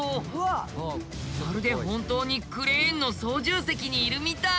まるで本当にクレーンの操縦席にいるみたい。